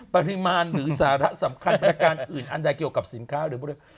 ปริมาณหรือสาระสำคัญประการอื่นอันใดเกี่ยวกับสินค้าหรือบริการ